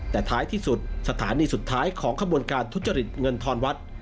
แต่ท้ายที่สุดสถานีสุดท้ายของขบวนการทุจริตเงินทอนวัด